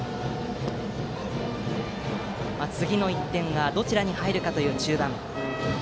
次の１点がどちらに入るかという中盤。